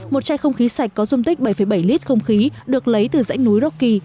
một chai không khí sạch có dung tích bảy bảy lít không khí được lấy từ dãy núi rocky